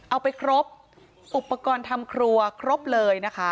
เอาไปครบอุปกรณ์ทำครัวครบเลยนะคะ